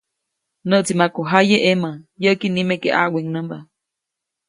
Näʼtsi maku jaye ʼemä, yäʼki nimeke ʼaʼwiŋnämba.